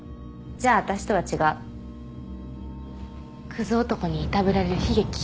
くず男にいたぶられる悲劇。